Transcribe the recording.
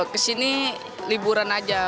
ke sini liburan aja